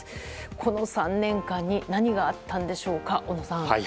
この３年間に何があったんでしょうか、小野さん。